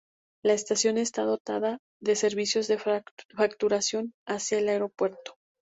La estación está dotada de servicio de facturación hacia el aeropuerto.